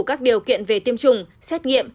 các điều kiện về tiêm chủng xét nghiệm